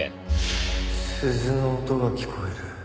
鈴の音が聞こえる。